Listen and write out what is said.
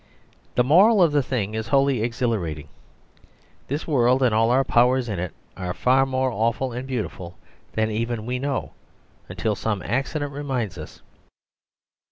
The moral of the thing is wholly exhilarating. This world and all our powers in it are far more awful and beautiful than even we know until some accident reminds us.